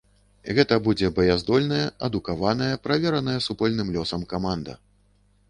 Гэта будзе баяздольная, адукаваная, правераная супольным лёсам каманда.